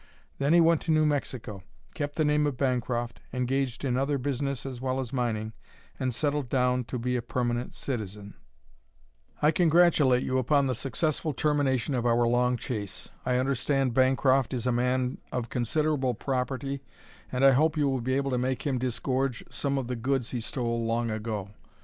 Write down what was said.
Then he went to New Mexico, kept the name of Bancroft, engaged in other business as well as mining, and settled down to be a permanent citizen. "I congratulate you upon the successful termination of our long chase. I understand Bancroft is a man of considerable property and I hope you will be able to make him disgorge some of the goods he stole so long ago.